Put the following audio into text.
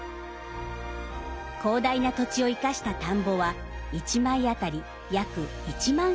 広大な土地を生かした田んぼは１枚あたり約１万平方メートル。